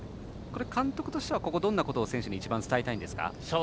監督としては、ここどんなことを選手に一番伝えたいんですか。